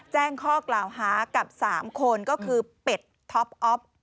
แจ้งข้อกล่าวหากับ๓คนก็คือเป็ดท็อปอ๊อฟ